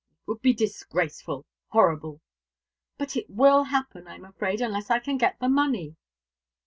"It would be disgraceful, horrible." "But it will happen, I'm afraid, unless I can get the money."